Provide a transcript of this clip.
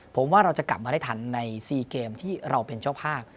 ผมว่าเราจะกลับมาได้ทันใน๔เกมที่เราเป็นเจ้าภาพ